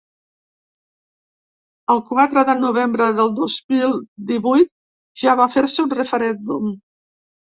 El quatre de novembre del dos mil divuit ja va fer-se un referèndum.